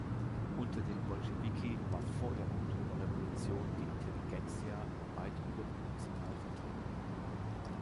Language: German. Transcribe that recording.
Unter den Bolschewiki war vor der Oktoberrevolution die Intelligenzija weit überproportional vertreten.